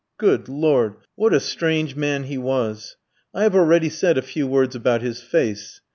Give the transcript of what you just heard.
Good Lord! what a strange man he was! I have already said a few words about his face.